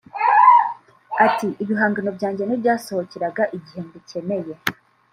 Ati “Ibihangano byanjye ntibyasohokeraga igihe mbikeneye